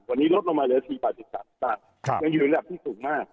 วันนี้ลดลงมาเกิน๔บาท๗๕สตรังอยู่ในระดับที่สุขมาก